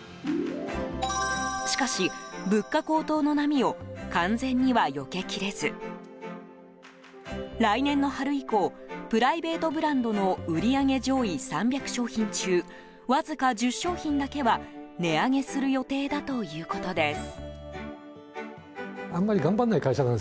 しかし、物価高騰の波を完全にはよけきれず来年の春以降プライベートブランドの売り上げ上位３００商品中わずか１０商品だけは値上げする予定だということです。